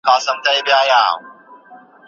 مرګ د ژوند د رنګونو ختمېدل دي.